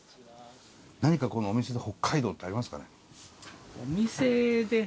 何かお店で北海道ってありますかね？